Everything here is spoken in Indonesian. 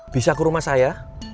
bisa ke rumah saya